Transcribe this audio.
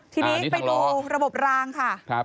ทีนี้ไปดูระบบรางค่ะ